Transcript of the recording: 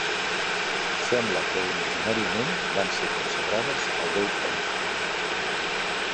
Sembla que originàriament van ser consagrades al déu Enki.